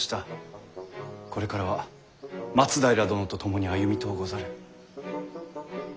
これからは松平殿と共に歩みとうござる。